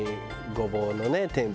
ごぼうね。